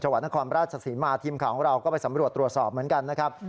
วัดนครราชศรีมาทีมข่าวของเราก็ไปสำรวจตรวจสอบเหมือนกันนะครับ